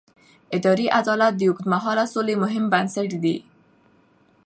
اداري عدالت د اوږدمهاله سولې مهم بنسټ دی